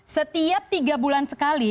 setiap tiga bulan sekali